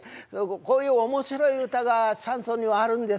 こういう面白い歌がシャンソンにはあるんですよ。